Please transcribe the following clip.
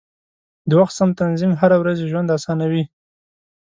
د وخت سم تنظیم هره ورځي ژوند اسانوي.